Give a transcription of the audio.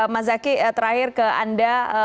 mas zaky terakhir ke anda